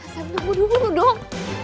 sam tunggu dulu dong